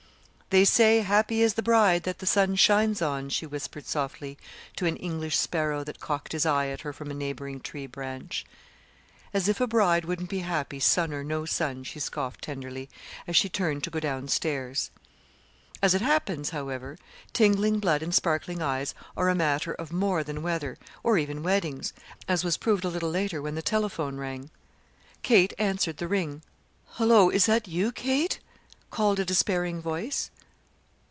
"They say 'Happy is the bride that the sun shines on,'" she whispered softly to an English sparrow that cocked his eye at her from a neighboring tree branch. "As if a bride wouldn't be happy, sun or no sun," she scoffed tenderly, as she turned to go down stairs. As it happens, however, tingling blood and sparkling eyes are a matter of more than weather, or even weddings, as was proved a little later when the telephone bell rang. Kate answered the ring. "Hullo, is that you, Kate?" called a despairing voice.